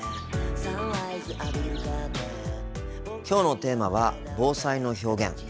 今日のテーマは防災の表現。